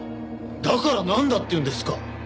だからなんだっていうんですか？